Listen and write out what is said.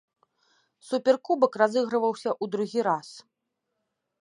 Суперкубак разыгрываўся ў другі раз.